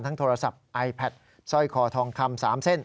โทรศัพท์ไอแพทสร้อยคอทองคำ๓เส้น